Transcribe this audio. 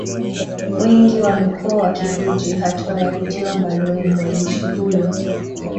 Wengi wamekuwa wakihoji hatua ya kutiwa mbaroni mwandishi huyo